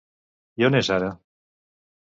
I on és ara?